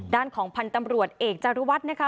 ด้านของพันธ์ตำรวจเอกจารุวัฒน์นะคะ